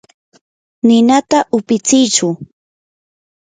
ninata upitsichu.